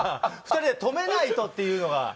２人で止めないとっていうのが。